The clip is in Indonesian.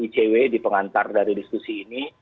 icw di pengantar dari diskusi ini